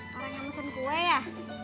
orang yang mesen kue ya